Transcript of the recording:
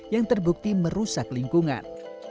yang terbukti merusak lingkungan